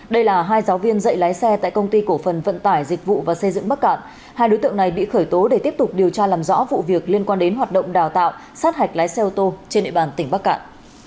đây là hai giáo viên dạy lái xe tại công ty cổ phần vận tải dịch vụ và xây dựng bắc cạn hai đối tượng này bị khởi tố để tiếp tục điều tra làm rõ vụ việc liên quan đến hoạt động đào tạo sát hạch lái xe ô tô trên địa bàn tỉnh bắc cạn